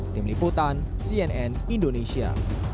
tim liputan cnn indonesia